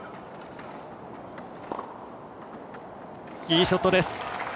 いいショットです。